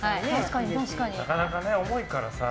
なかなか重いからさ。